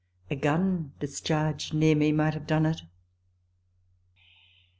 A gun discharged near me might have done it.